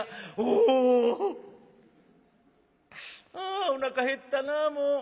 あおなか減ったなもう。